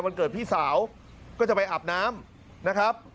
วันเกิดพี่สาวก็จะไปอาบน้ำนะครับ